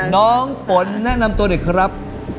น้องฝนแนะนำตัวเด็กครับ